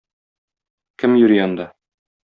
Кем йөри анда?